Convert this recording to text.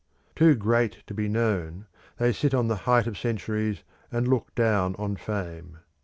Too great to be known, they sit on the height of centuries and look down on fame.